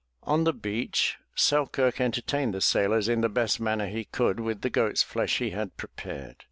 On the beach Selkirk 351 M Y BOOK HOUSE entertained the sailors in the best manner he could with the goat's flesh he had prepared.